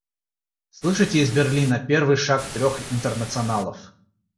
Слышите из Берлина первый шаг трех Интернационалов?